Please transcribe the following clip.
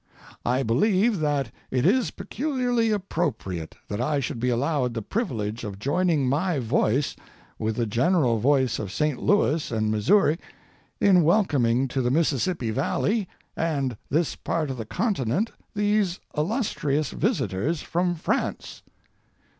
I believe that it is peculiarly appropriate that I should be allowed the privilege of joining my voice with the general voice of St. Louis and Missouri in welcoming to the Mississippi Valley and this part of the continent these illustrious visitors from France.